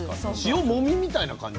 塩もみみたいな感じ？